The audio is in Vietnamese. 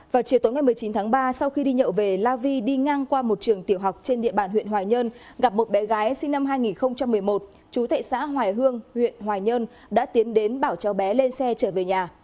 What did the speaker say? vào chiều tối ngày một mươi chín tháng ba sau khi đi nhậu về la vi đi ngang qua một trường tiểu học trên địa bàn huyện hoài nhơn gặp một bé gái sinh năm hai nghìn một mươi một chú tệ xã hoài hương huyện hoài nhơn đã tiến đến bảo cháu bé lên xe trở về nhà